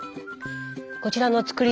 こちらの造り